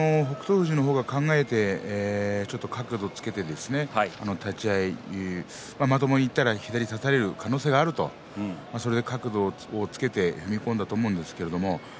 富士の方が考えてちょっと角度をつけて立ち合い、まともにいったら左を差される可能性があるということで押っつけて踏み込んでいきました。